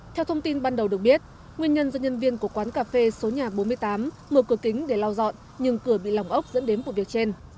theo thông tin ban đầu được biết nguyên nhân do nhân viên của quán cà phê số nhà bốn mươi tám mở cửa kính để lau dọn nhưng cửa bị lỏng ốc dẫn đến vụ việc trên